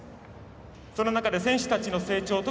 その中で選手たちの成長